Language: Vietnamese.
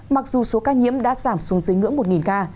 mặc dù số ca nhiễm đã giảm xuống dưới ngưỡng một ca